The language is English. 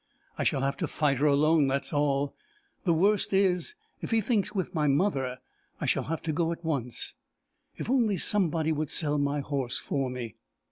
I shall have to fight her alone, that's all! The worst is, if he thinks with my mother I shall have to go at once! If only somebody would sell my horse for me!"